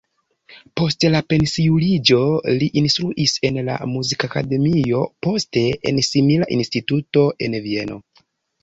Post la pensiuliĝo li instruis en la Muzikakademio, poste en simila instituto en Vieno.